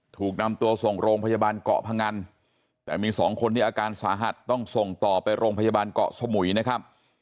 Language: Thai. ถูกนำตัวส่งโรงพยาบาลเกาะพงันแต่มีสองคนที่อาการสาหัสต้องส่งต่อไปโรงพยาบาลเกาะสมุยนะครับ